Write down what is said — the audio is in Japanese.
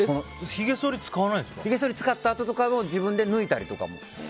ひげそり使ったあととかも自分で抜いたりとか。